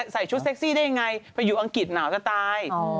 ใส่ชุดเซ็กซี่ได้ยังไงไปอยู่อังกฤษหนาวจะตาย